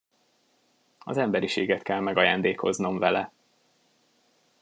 Az emberiséget kell megajándékoznom vele.